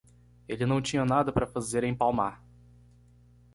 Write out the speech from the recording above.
Ele não tinha nada para fazer em Palmar.